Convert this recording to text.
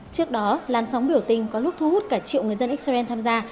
trước đó làn sóng biểu tình có lúc thu hút cả triệu người dân israel tham gia